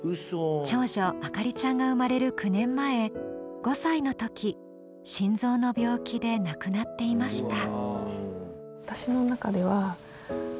長女あかりちゃんが生まれる９年前５歳の時心臓の病気で亡くなっていました。